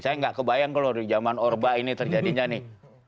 saya nggak kebayang kalau di zaman orba ini terjadinya nih